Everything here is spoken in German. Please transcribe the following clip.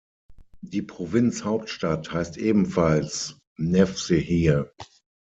Die Provinzhauptstadt heißt ebenfalls Nevşehir.